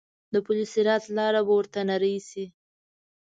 د پل صراط لاره به ورته نرۍ شي.